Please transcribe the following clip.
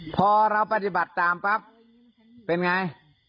พอเราปฏิบัติตามปั๊บเป็นไง